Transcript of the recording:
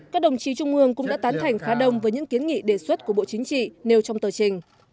các đồng chí trung ương cũng đã tán thành khá đông với những kiến nghị đề xuất của bộ chính trị nêu trong tờ trình